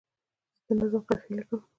زه د نظم قافیه لیکم.